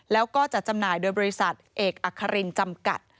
แล้วก็จัดจำหน่ายโดยบริษัทเอกอัครินจำกัด